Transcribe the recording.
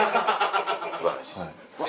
素晴らしい。